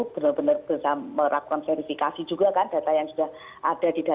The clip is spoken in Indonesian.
benar benar bisa merakon verifikasi juga kan data yang sudah ada di dalam